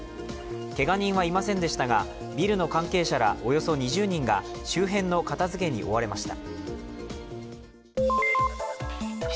けが人はいませんでしたが、ビルの関係者らおよそ２０人が周辺の片づけに追われました。